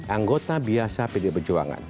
anggota biasa pdi perjuangan